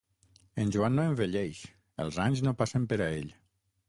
En Joan no envelleix: els anys no passen per a ell.